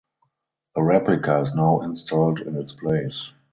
A replica is now installed in its place.